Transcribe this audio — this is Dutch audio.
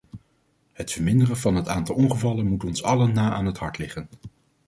Het verminderen van het aantal ongevallen moet ons allen na aan het hart liggen.